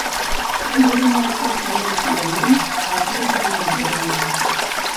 Hem de donar la consideració adient al tuit de l'Argelia.